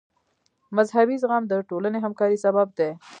مذهبي زغم د ټولنې همکارۍ سبب دی.